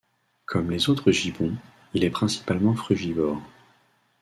Comme les autres gibbons, il est principalement frugivore.